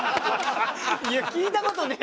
いや聞いた事ねえ。